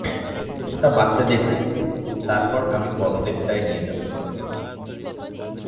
ওটা বাচ্চাদের দিক, তারপর আমি বড়োদেরটায় নিয়ে যাবো।